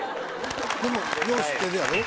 でもよう知ってるやろ？